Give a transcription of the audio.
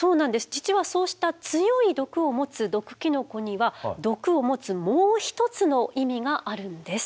実はそうした強い毒を持つ毒キノコには毒を持つもう一つの意味があるんです。